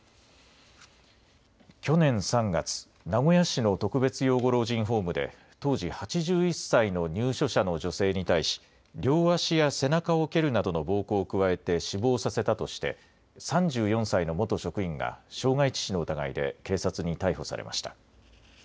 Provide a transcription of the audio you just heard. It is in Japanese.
去年３月、名古屋市の特別養護老人ホームで、当時８１歳の入所者の女性に対し、両足や背中を蹴るなどの暴行を加えて死亡させたとして、３４歳の元職員が傷害致死の疑いで警察に逮捕されました。